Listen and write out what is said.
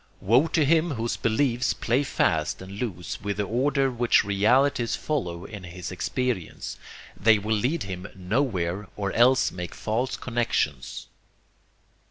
Woe to him whose beliefs play fast and loose with the order which realities follow in his experience: they will lead him nowhere or else make false connexions.